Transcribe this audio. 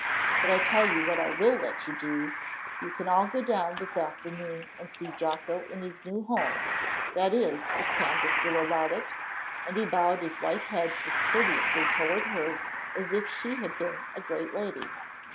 "But I tell you what I will let you do; you can all go down this afternoon and see Jocko in his new home. That is, if Candace will allow it?" and he bowed his white head as courteously toward her as if she had been a great lady.